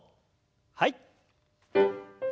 はい。